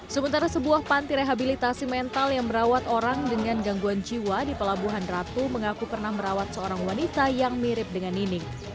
sementara sebuah panti rehabilitasi mental yang merawat orang dengan gangguan jiwa di pelabuhan ratu mengaku pernah merawat seorang wanita yang mirip dengan nining